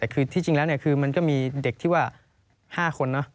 แต่คือที่จริงแล้วคือมันก็มีเด็กที่ว่า๕คนเนอะ